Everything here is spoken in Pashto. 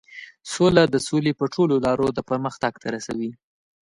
سوله د سولې په ټولو لارو د پرمختګ ته رسوي.